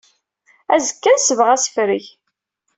Azekka ad nesbeɣ asefreg.